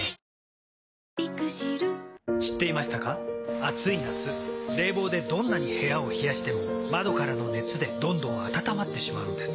暑い夏冷房でどんなに部屋を冷やしても窓からの熱でどんどん暖まってしまうんです。